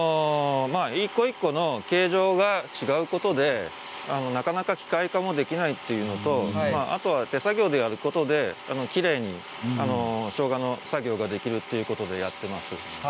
一個一個の形状が違うことでなかなか機械化もできないというのとあと、手作業でやることできれいにしょうがの作業ができるということでやっています。